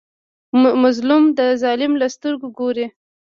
مظلوم د ظالم له سترګو ګوري.